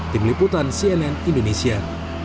tim liputan cnn indonesia